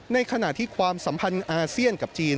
ในขณะที่ความสัมพันธ์อาเซียนกับจีน